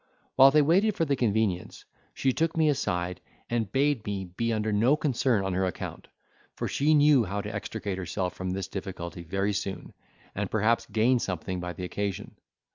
While they waited for the convenience, she took me aside, and bade me be under no concern on her account, for she knew how to extricate herself from this difficulty very soon, and perhaps gain something by the occasion.